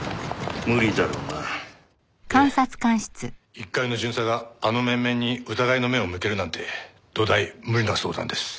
一介の巡査があの面々に疑いの目を向けるなんてどだい無理な相談です。